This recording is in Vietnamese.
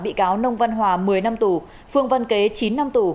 bị cáo nông văn hòa một mươi năm tù phương văn kế chín năm tù